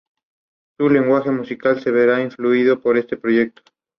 Su representante es la Asociación de Desarrollo Integral Indígena de Salitre.